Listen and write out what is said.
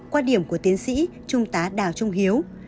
quan điểm của tiến sĩ trung tá đào trung hiếu